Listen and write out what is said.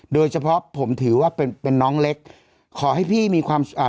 โดยเฉพาะผมถือว่าเป็นเป็นน้องเล็กขอให้พี่มีความอ่า